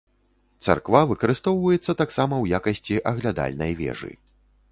Царква выкарыстоўваецца таксама ў якасці аглядальнай вежы.